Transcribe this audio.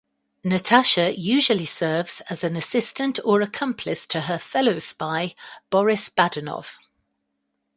Natasha usually serves as an assistant or accomplice to her fellow spy, Boris Badenov.